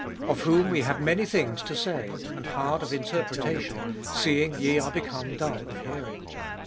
11. Of whom we have many things to say, and hard of interpretation, seeing ye are become dull of hearing.